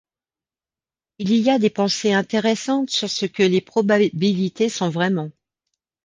Il y a des pensées intéressantes sur ce que les probabilités sont vraiment.